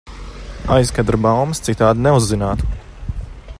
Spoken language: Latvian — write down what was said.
Aizkadra baumas citādi neuzzinātu.